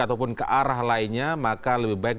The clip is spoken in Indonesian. ataupun ke arah lainnya maka lebih baik